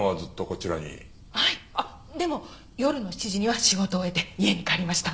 あっでも夜の７時には仕事を終えて家に帰りました。